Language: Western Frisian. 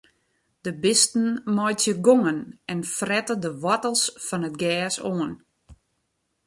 De bisten meitsje gongen en frette de woartels fan it gjers oan.